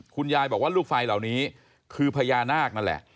คุณยายบอกว่าลูกไฟเหล่านี้คือพญานาคนั่นแหละ